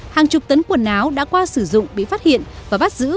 hàng chục tấn quần áo đã qua sử dụng bị phát hiện và bắt giữ